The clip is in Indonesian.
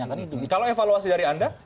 kalau evaluasi dari anda